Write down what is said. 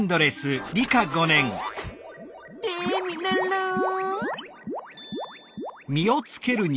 テミルンルン！